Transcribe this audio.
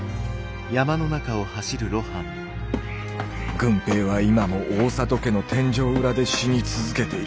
「郡平」は今も大郷家の天井裏で「死に続けて」いる。